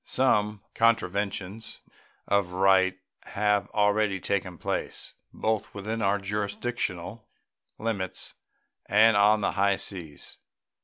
Some contraventions of right have already taken place, both within our jurisdictional limits and on the high seas.